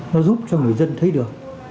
nó giúp cho người dân thấy được